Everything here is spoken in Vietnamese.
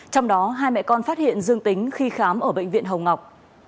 trong đó hai mẹ con phát hiện dương tính khi khám ở bệnh viện hồng ngọc